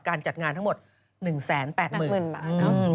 การจัดงานทั้งหมด๑แสน๘หมื่นบาท